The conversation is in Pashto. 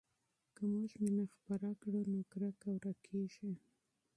که موږ مینه خپره کړو نو نفرت ورکېږي.